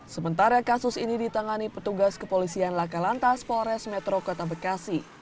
sementara kasus ini ditangani petugas kepolisian laka lantas polres metro kota bekasi